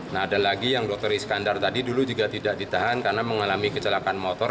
nah ada lagi yang dokter iskandar tadi dulu juga tidak ditahan karena mengalami kecelakaan motor